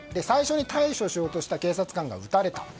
最初に逮捕しようとした警察官が撃たれた。